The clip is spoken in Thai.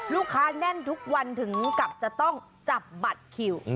แน่นทุกวันถึงกับจะต้องจับบัตรคิว